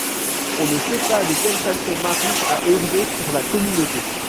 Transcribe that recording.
On ne sait pas de quelle façon Marie a œuvré pour la communauté.